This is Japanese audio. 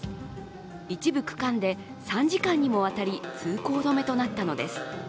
一部区間で３時間にもわたり通行止めとなったのです。